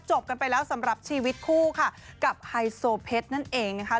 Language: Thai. กันไปแล้วสำหรับชีวิตคู่ค่ะกับไฮโซเพชรนั่นเองนะคะ